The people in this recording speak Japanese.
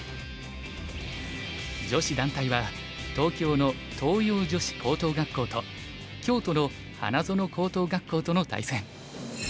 女子団体は東京の東洋女子高等学校と京都の花園高等学校との対戦。